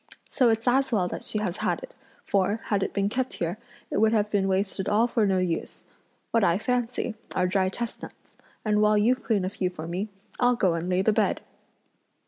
So it's as well that she has had it, for, had it been kept here, it would have been wasted all for no use! What I fancy are dry chestnuts; and while you clean a few for me, I'll go and lay the bed!"